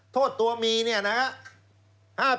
โทษตัวมีเนี่ยนะครับ